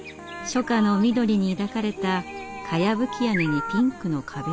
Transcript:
初夏の緑に抱かれたかやぶき屋根にピンクの壁の家。